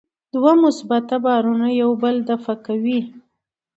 دوه مثبت بارونه یو بل دفع کوي.